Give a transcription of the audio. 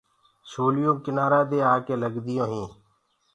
لهرينٚ ڪنآرآ دي آڪي لگديونٚ هينٚ۔